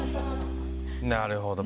なるほど。